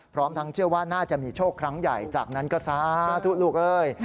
พร้อมทั้งเชื่อว่าน่าจะมีโชคครั้งใหญ่จากนั้นก็สาธุลูกเอ้ย